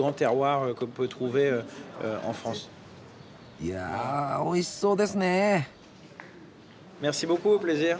いやおいしそうですね。